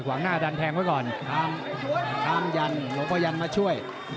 ขวางหน้าดันแทนไว้ก่อนทำยั่นรบณยันต์มาช่วย